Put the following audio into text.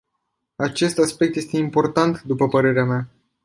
Acest aspect este important, după părerea mea.